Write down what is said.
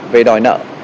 về đòi nợ